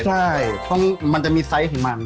ใช่มันจะมีไซส์ของมัน